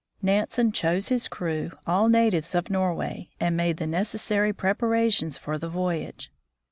Nansen chose his crew, all natives of Norway, and made the necessary preparations for the voyage.